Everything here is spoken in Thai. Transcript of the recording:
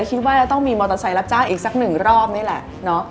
คิดว่าจะต้องมีมอเตอร์ไซค์รับจ้างอีกสักหนึ่งรอบนี่แหละ